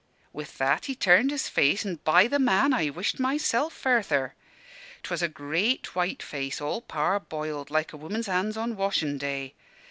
"With that he turned his face; an' by the man! I wished mysel' further. 'Twas a great white face, all parboiled, like a woman's hands on washin' day.